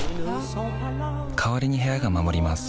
代わりに部屋が守ります